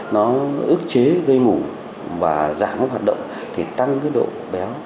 nó ước chế gây mủ và giảm hoạt động tăng độ béo